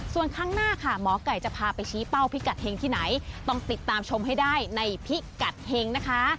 ส่วนครั้งหน้าค่ะหมอไก่จะพาไปชี้เป้าพิกัดเฮงที่ไหนต้องติดตามชมให้ได้ในพิกัดเฮงนะคะ